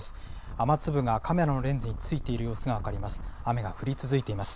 雨粒がカメラのレンズについている様子が分かります。